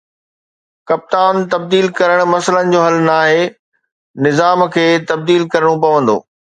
ڪپتان تبديل ڪرڻ مسئلن جو حل ناهي، نظام کي تبديل ڪرڻو پوندو